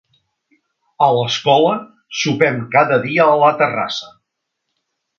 A l'escola sopem cada dia a la terrassa.